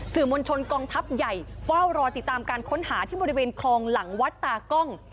มวลชนกองทัพใหญ่เฝ้ารอติดตามการค้นหาที่บริเวณคลองหลังวัดตากล้อง